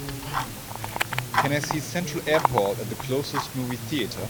Can I see Central Airport at the closest movie theatre